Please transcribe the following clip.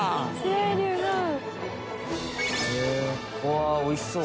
わっおいしそう。